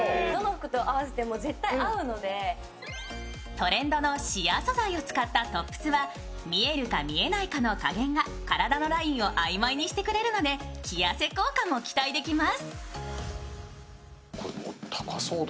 トレンドのシアー素材を使ったトップスは見えるか見えないかの加減が体のラインをあいまいにしてくれるので着痩せ効果も期待できます。